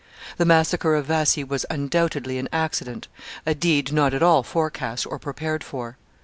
The massacre of Vassy was, undoubtedly, an accident, a deed not at all forecast or prepared for.